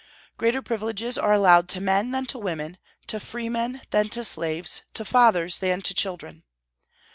Greater privileges are allowed to men than to women, to freemen than to slaves, to fathers than to children.